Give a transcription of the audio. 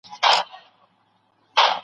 پوهېده په ښو او بدو عاقلان سوه